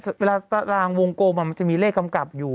มันไป๓แล้วเช่นแบบเวลาต่างวงโกมมันจะมีเลขกำกับอยู่